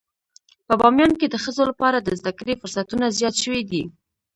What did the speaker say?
په باميان کې د ښځو لپاره د زده کړې فرصتونه زيات شوي دي.